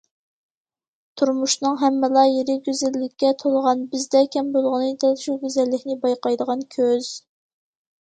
‹‹ تۇرمۇشنىڭ ھەممىلا يېرى گۈزەللىككە تولغان، بىزدە كەم بولغىنى دەل شۇ گۈزەللىكنى بايقايدىغان كۆز››.